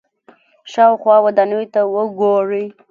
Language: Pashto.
شاوخوا ودانیو ته وګورئ.